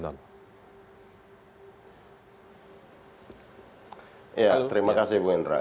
terima kasih bu indra